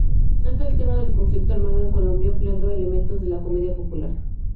Trata el tema del conflicto armado en Colombia empleando elementos de la comedia popular.